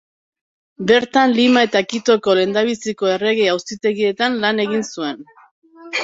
Bertan Lima eta Quitoko lehendabiziko Errege-Auzitegietan lan egin zuen.